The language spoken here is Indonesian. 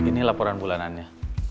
pak ini laporan bulanannya